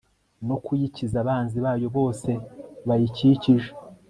no kuyikiza abanzi bayo bose bayikikije